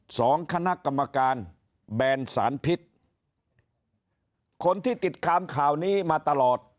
สองคณะกรรมการแบนสารพิษคนที่ติดตามข่าวนี้มาตลอด